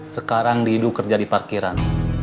sekarang dihidu kerja di parkiran